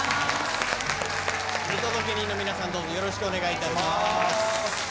見届け人の皆さんよろしくお願いいたします。